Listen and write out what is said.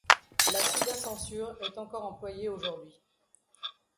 La cybercensure est encore employée aujourd'hui.